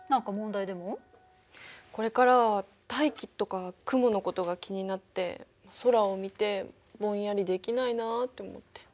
これからは大気とか雲のことが気になって空を見てぼんやりできないなって思って。